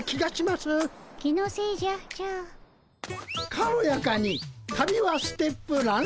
「軽やかに旅はステップランランラン」。